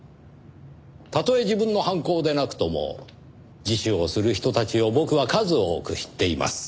たとえ自分の犯行でなくとも自首をする人たちを僕は数多く知っています。